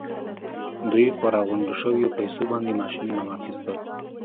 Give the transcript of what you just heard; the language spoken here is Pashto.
دوی په راغونډو شويو پیسو باندې ماشينونه واخيستل.